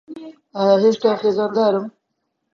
ئایا هێشتا خێزاندارم؟